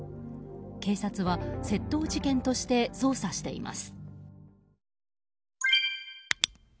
警察は窃盗事件として捜査しています。